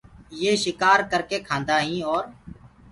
يي شڪآر ڪرڪي کآدآئينٚ اور